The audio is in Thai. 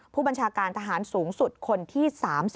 ผู้บัญชาการทหารสูงสุดคนที่๓๐